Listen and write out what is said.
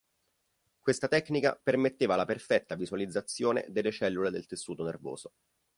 Questa tecnica permetteva la perfetta visualizzazione delle cellule del tessuto nervoso.